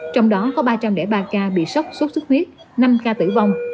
trong đó có ba trăm linh ba ca bị sốc suốt suốt huyết năm ca tử vong